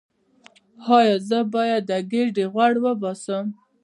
ایا زه باید د ګیډې غوړ وباسم؟